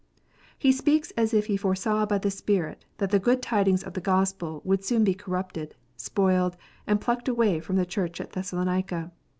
He speaks as if he foresaw by the Spirit that the good tidings of the Gospel would soon be corrupted, spoiled, and plucked away from the Church at Thessalonica.